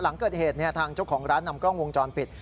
หลังเกิดเหตุทางเจ้าของร้านนำกล้องวงจรปิด